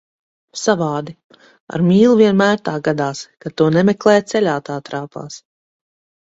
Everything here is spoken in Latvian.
Savādi, ar mīlu vienmēr tā gadās, kad to nemeklē, ceļā tā trāpās.